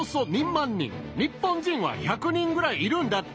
日本人は１００人ぐらいいるんだって。